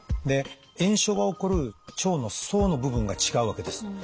で炎症が起こる腸の層の部分が違うわけです。